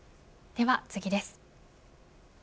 では次です。